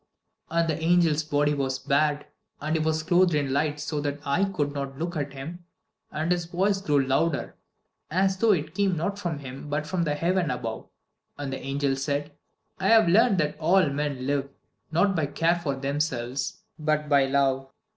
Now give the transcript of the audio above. XII And the angel's body was bared, and he was clothed in light so that eye could not look on him; and his voice grew louder, as though it came not from him but from heaven above. And the angel said: "I have learnt that all men live not by care for themselves but by love.